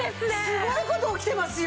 すごい事起きてますよ！